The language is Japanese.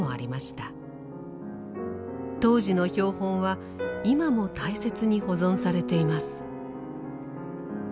当時の標本は今も大切に保存されています。